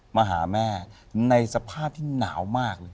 มาหาแม่ในสภาพที่หนาวมากเลย